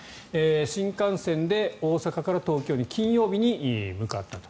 新幹線で大阪から東京に金曜日に向かったと。